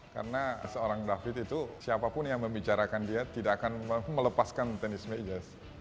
karena seorang david itu siapapun yang membicarakan dia tidak akan melepaskan tenis meja